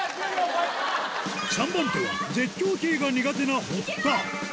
３番手は絶叫系が苦手な堀田いきます！